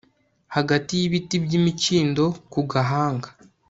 Hagati yibiti byimikindo ku gahanga